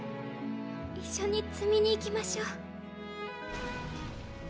一緒に摘みに行きましょう。